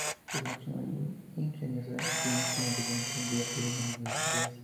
Es una persona ingeniosa, optimista, brillante, divertida y llena de ideas.